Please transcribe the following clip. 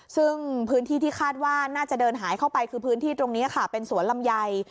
ซึ่งพื้นที่ที่คาดว่าน่าจะเดินหายเข้าไปคือพื้นที่ตรงนี้ค่ะเป็นสวนลำไย